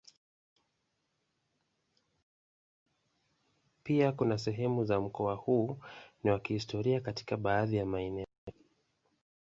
Pia kuna sehemu za mkoa huu ni wa kihistoria katika baadhi ya maeneo.